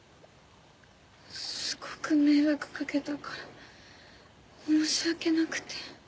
すごく迷惑掛けたから申し訳なくて。